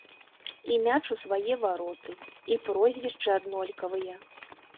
І мяч у свае вароты, і прозвішчы аднолькавыя.